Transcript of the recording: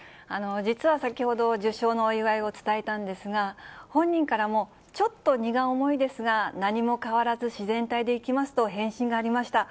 実は先ほど、受賞のお祝いを伝えたんですが、本人からも、ちょっと荷が重いですが、何も変わらず、自然体でいきますと返信がありました。